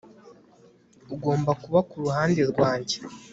Ugomba kuba kuruhande rwanjye